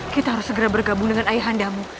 kita harus segera bergabung dengan ayah andamu